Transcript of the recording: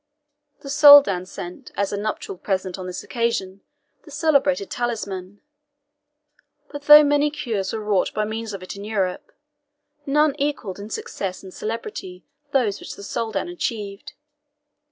The Soldan sent, as a nuptial present on this occasion, the celebrated TALISMAN. But though many cures were wrought by means of it in Europe, none equalled in success and celebrity those which the Soldan achieved.